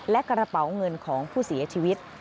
และกระเป๋าเงินของผู้เสียชีวิต